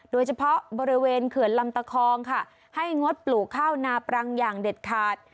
โดยเฉพาะบริเวณเขื่อนลำตะคองค่ะให้งดปลูกข้าวนาปรังอย่างเด็ดขาด